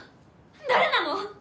誰なの！？